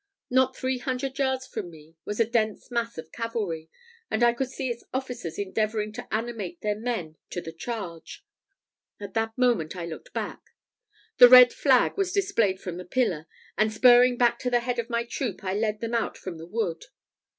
Not three hundred yards from me was a dense mass of cavalry, and I could see its officers endeavouring to animate their men to the charge. At that moment I looked back. The red flag was displayed from the pillar; and spurring back to the head of my troop, I led them out from the wood.